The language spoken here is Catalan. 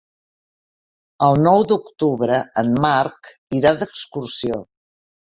El nou d'octubre en Marc irà d'excursió.